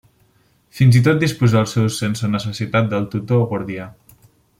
Fins i tot disposar del seu sense necessitat de tutor o guardià.